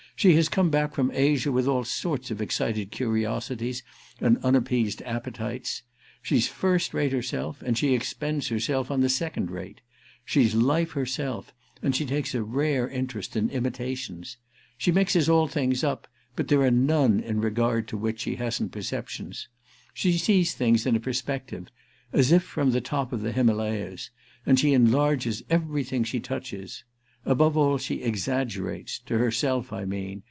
She has come back from Asia with all sorts of excited curiosities and unappeased appetities. She's first rate herself and she expends herself on the second rate. She's life herself and she takes a rare interest in imitations. She mixes all things up, but there are none in regard to which she hasn't perceptions. She sees things in a perspective—as if from the top of the Himalayas—and she enlarges everything she touches. Above all she exaggerates—to herself, I mean.